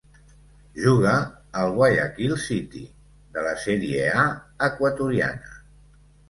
Juga al Guayaquil City de la Sèrie A equatoriana.